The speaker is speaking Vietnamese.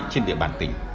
trên địa bàn tỉnh